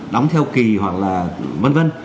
đóng theo kỳ hoặc là vân vân